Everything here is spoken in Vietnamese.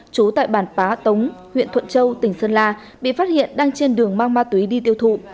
trú tại bản pá tống huyện thuận châu tỉnh sơn la bị phát hiện đang trên đường mang ma túy đi tiêu thụ